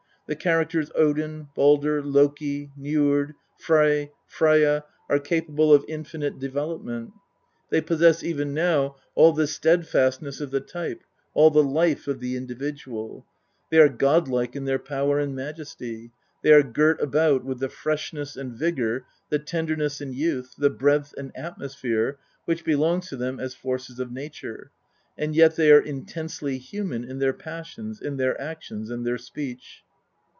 The characters Odin, Baldr, Loki, Njord, Frey, Freyja are capable of infinite development ; they possess even now all the steadfastness of the type, all the life of the individual ; they are godlike in their power and majesty ; they are girt about with the freshness and vigour, the tenderness and youth, the breadth and atmosphere which belongs to them as forces of nature, and yet they are intensely human in their passions, in their actions, and their speech.